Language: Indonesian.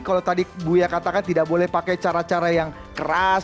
kalau tadi bu ya katakan tidak boleh pakai cara cara yang keras